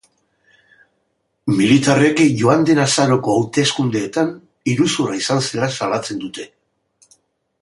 Militarrek joan den azaroko hauteskundeetan iruzurra izan zela salatzen dute.